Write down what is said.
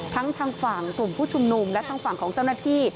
ทั้งทางฝั่งกลุ่มผู้ชุมนุมและทางฝั่งของเจ้าหน้าที่